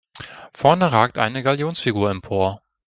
Vorne ragt eine Galionsfigur empor.